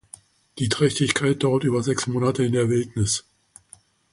Die Trächtigkeit dauert über sechs Monate in der Wildnis.